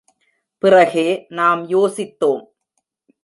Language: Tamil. பிறகே நாம் யோசித்தோம்.